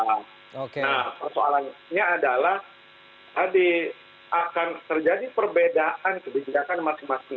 nah persoalannya adalah tadi akan terjadi perbedaan kebijakan masing masing